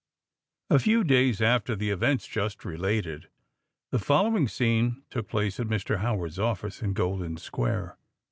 A few days after the events just related, the following scene took place at Mr. Howard's office in Golden Square.